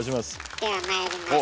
ではまいります。